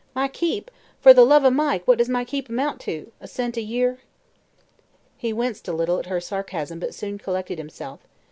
My keep? For the love o' Mike, what does my keep amount to? A cent a year?" He winced a little at her sarcasm but soon collected himself.